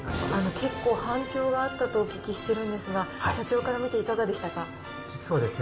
結構反響があったとお聞きしてるんですが、社長から見ていかそうですね。